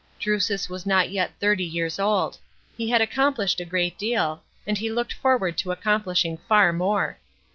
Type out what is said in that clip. Drusus was not yet thirty years old; he had accomplished a great deal, and he looked forward to accomplishing far more.